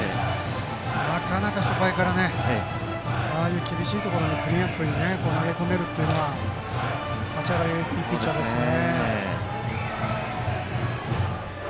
なかなか、初回からああいう厳しいところにクリーンアップに投げ込めるというのは立ち上がりがいいピッチャーですね。